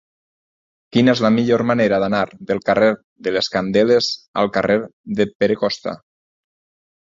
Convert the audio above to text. Quina és la millor manera d'anar del carrer de les Candeles al carrer de Pere Costa?